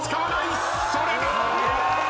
それが！